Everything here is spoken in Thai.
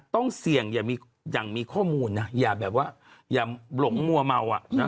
ต้องเสี่ยงอย่างมีข้อมูลอย่าหลงมั่วเมา